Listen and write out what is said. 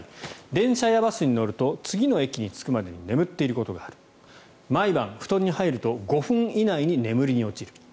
電車やバスに乗ると次の駅に着くまでに眠っていることがある毎晩、布団に入ると５分以内に眠りに落ちる。